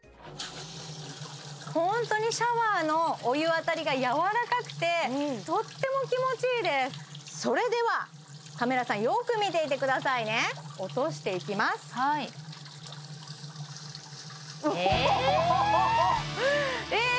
ホントにシャワーのお湯当たりがやわらかくてとっても気持ちいいですそれではカメラさんよく見ていてくださいね落としていきますえっえっ